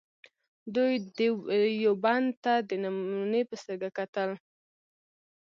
دوی دیوبند ته د نمونې په سترګه کتل.